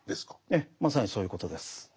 ええまさにそういうことです。